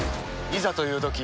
いざというとき